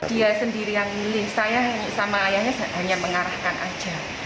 dia sendiri yang milih saya sama ayahnya hanya mengarahkan aja